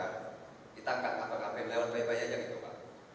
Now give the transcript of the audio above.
kita enggak ngapa ngapain lewat bayi bayi aja gitu pak